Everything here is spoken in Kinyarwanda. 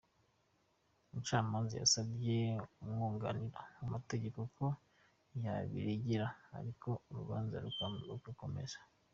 Umucamanza yasabye umwunganira mu mategeko ko yabiregera, ariko urubanza rugakomeza.